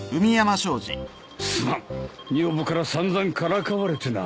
すまん女房から散々からかわれてな。